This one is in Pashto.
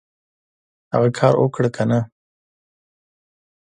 هغه کار اوکړه کنه !